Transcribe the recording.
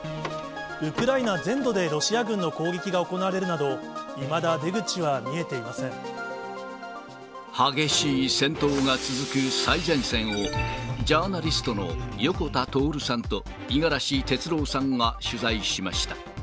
ウクライナ全土でロシア軍の攻撃が行われるなど、いまだ出口は見激しい戦闘が続く最前線を、ジャーナリストの横田徹さんと五十嵐哲郎さんが取材しました。